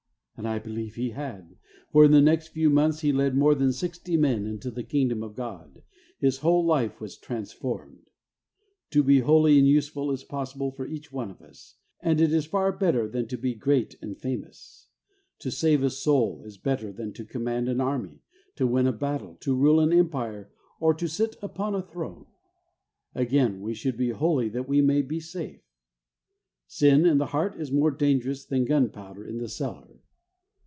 ' And I believe he had, for in the next few months he led more than sixty men into the Kingdom of God. His whole life was transformed.' To be holy and useful is possible for each one of us, and it is far better than to be great and famous. To save a soul is better than to command an army, to win a battle, to rule an empire, or to sit upon a throne. Again, we should be holy that we may be safe. Sin in the heart is more dangerous than gunpowder in the cellar.